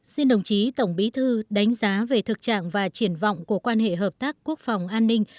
xin đồng chí tổng bí thư đánh giá về thực trạng và triển vọng của quan hệ hợp tác quốc phòng an ninh